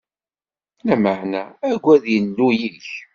Lameɛna agad Illu-ik.